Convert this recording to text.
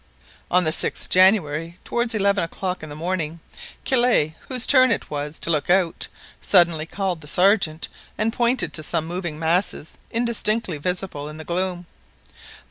On the 6th January, towards eleven o'clock in the morning, Kellet, whose turn it was to look out, suddenly called the Sergeant, and pointed to some moving masses indistinctly visible in the gloom.